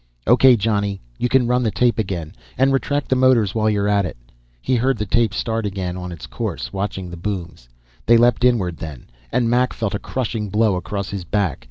"O.K., Johnny, you can run the tape again. And retract the motors while you're at it." He heard the tape start again on its course, watching the booms. They leaped inward, then, and Mac felt a crushing blow across his back.